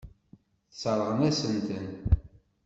Sseṛɣen-asen-ten.